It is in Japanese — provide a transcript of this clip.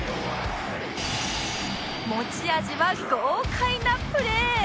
持ち味は豪快なプレー